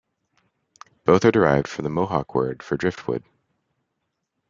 Both are derived from the Mohawk word for driftwood.